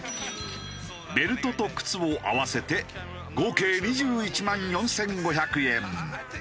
ベルトと靴を合わせて合計２１万４５００円。